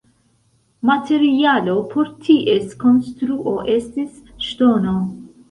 Materialo por ties konstruo estis ŝtono.